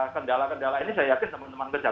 kendala kendala ini saya yakin teman teman besar